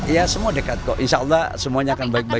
ya semua dekat kok insya allah semuanya akan baik baik